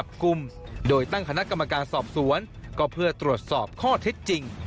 พวกมันสอบสวนก็เพื่อตรวจสอบข้อทิศจริง